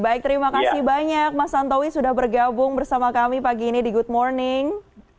baik terima kasih banyak mas santowi sudah bergabung bersama kami pagi ini di good morning